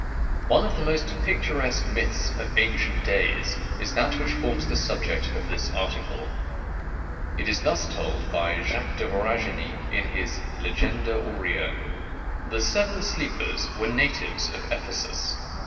One of the most picturesque myths of ancient days is that which forms the subject of this article. It is thus told by Jacques de Voragine, in his "Legenda Aurea:" "The seven sleepers were natives of Ephesus.